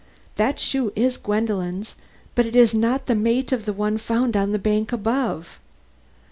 That shoe is Gwendolen's, but it is not the mate of the one found on the bank above.